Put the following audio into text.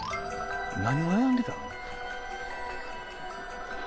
何悩んでたの？